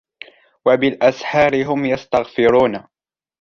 وَبِالْأَسْحَارِ هُمْ يَسْتَغْفِرُونَ